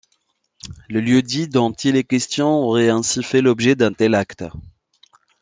Le lieu-dit dont il est question aurait ainsi fait l'objet d'un tel acte.